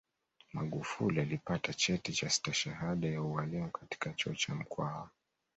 magufuli alipata cheti cha stashahada ya ualimu katika chuo cha mkwawa